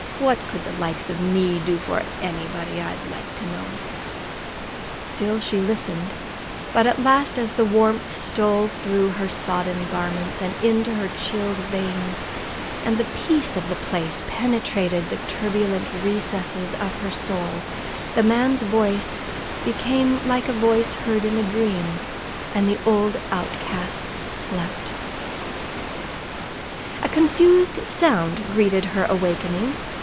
"What could the likes of me do for anybody, I'd like to know!" Still she listened; but at last, as the warmth stole through her sodden garments, and into her chilled veins, and the peace of the place penetrated the turbulent recesses of her soul, the man's voice became like a voice heard in a dream, and the old outcast slept. A confused sound greeted her awakening.